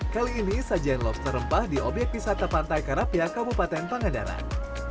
kali ini sajian lobster rempah di obyek wisata pantai karapia kabupaten pangandaran